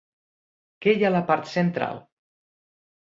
Què hi ha a la part central?